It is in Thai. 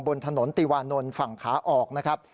บนถนนติวานนท์ฝั่งขาออกนะครับ